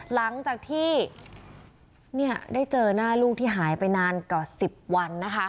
หลังจากที่ได้เจอหน้าลูกที่หายไปนานกว่า๑๐วันนะคะ